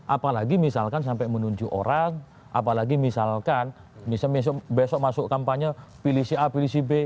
apalagi misalkan sampai menunjuk orang apalagi misalkan besok masuk kampanye pilih si a pilih si b